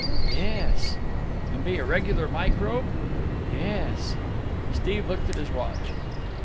"Yes." "And be a regular microbe?" "Yes." Steve looked at his watch.